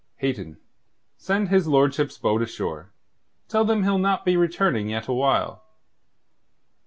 Hayton, send his lordship's boat ashore. Tell them he'll not be returning yet awhile."